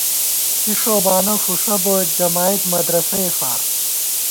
کی ݭوبانہ فُݭہ بوئیت، جمائید مدرَسَئے فار